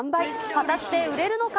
果たして売れるのか？